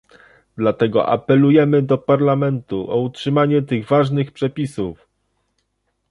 Dlatego apelujemy do Parlamentu o utrzymanie tych ważnych przepisów